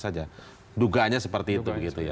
saja dugaannya seperti itu